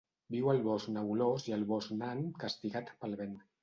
Viu al bosc nebulós i al bosc nan castigat pel vent.